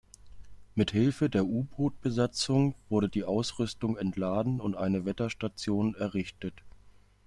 Mit Hilfe der U-Bootbesatzung wurde die Ausrüstung entladen und eine Wetterstation errichtet.